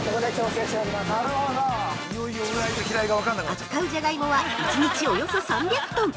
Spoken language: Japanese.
◆扱うじゃがいもは１日およそ３００トン！